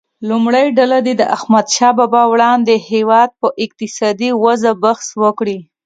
لومړۍ ډله دې د احمدشاه بابا وړاندې هیواد په اقتصادي وضعه بحث وکړي.